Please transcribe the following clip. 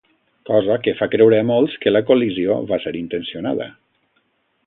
Cosa que fa creure a molts que la col·lisió va ser intencionada.